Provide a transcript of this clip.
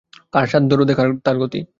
কার সাধ্য রোধে তার গতি।